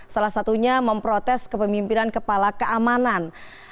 salah satunya memprotes kepemimpinan kepala keamanan